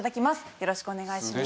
よろしくお願いします。